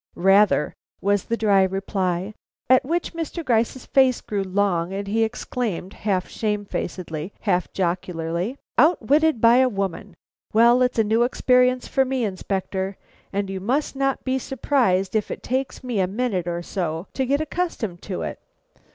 "Rather," was the dry reply. At which Mr. Gryce's face grew long and he exclaimed, half shamefacedly, half jocularly: "Outwitted by a woman! Well, it's a new experience for me, Inspector, and you must not be surprised if it takes me a minute or so to get accustomed to it.